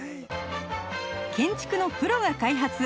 建築のプロが開発